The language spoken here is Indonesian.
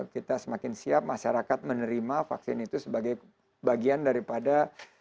kita semakin siap masyarakat menerima vaksin itu sebagai bagian daripada